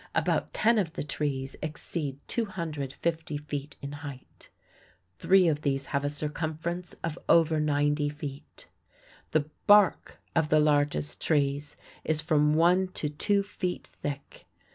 About ten of the trees exceed 250 feet in height. Three of these have a circumference of over ninety feet. The bark of the largest trees is from one to two feet thick.